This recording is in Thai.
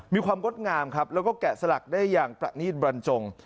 งดงามครับแล้วก็แกะสลักได้อย่างประนีตบรรจง